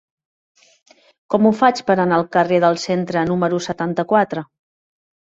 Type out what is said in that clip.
Com ho faig per anar al carrer del Centre número setanta-quatre?